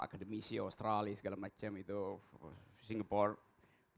akademisi australia segala macam itu singapura